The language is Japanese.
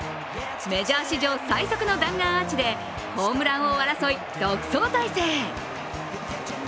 メジャー史上最速の弾丸アーチでホームラン王争い独走態勢。